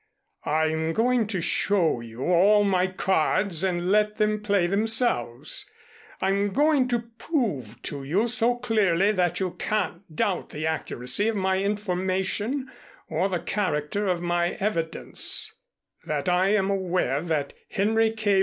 "I'm going to show you all my cards and let them play themselves. I'm going to prove to you so clearly that you can't doubt the accuracy of my information or the character of my evidence that I am aware that Henry K.